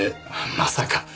まさか！